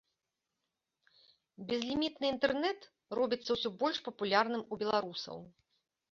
Безлімітны інтэрнэт робіцца ўсё больш папулярным у беларусаў.